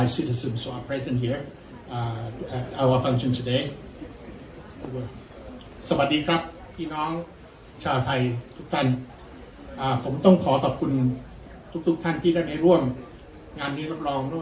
สวัสดีครับพี่น้องชาวไทยทุกท่านผมต้องขอขอบคุณทุกท่านที่ได้ไปร่วมงานนี้รับรองร่วม